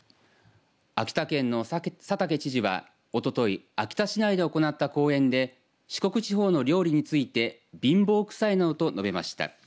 秋田県の佐竹知事はおととい秋田市内で行った講演で四国地方の料理について貧乏くさいなどと述べました。